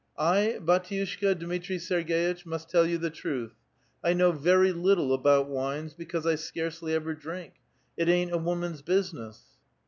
'' I, bdtiushka Dmitri 8erg6itch, must tell you the truth: I know very little about wines, because I scarcely ever drink ; it ain*t a woman's business."